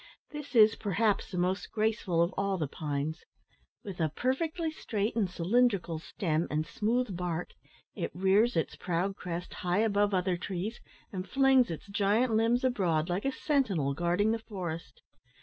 This is, perhaps, the most graceful of all the pines. With a perfectly straight and cylindrical stem and smooth bark, it rears its proud crest high above other trees, and flings its giant limbs abroad, like a sentinel guarding the forest.